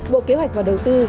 bộ kế hoạch và đầu tư